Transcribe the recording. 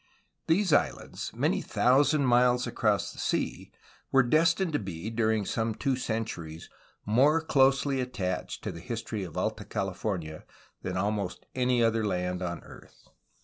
These islands, many thousand miles across the seas, were destined to be, during some two centuries, more closely attached to the history of Alta Cali fornia than almost any other land on earth.